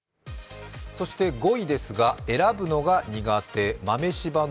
５位ですが選ぶのが苦手、豆柴の